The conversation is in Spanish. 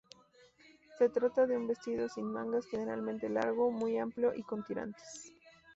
Se trata de un vestido sin mangas, generalmente largo, muy amplio y con tirantes.